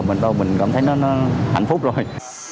mình cảm thấy nó hạnh phúc rồi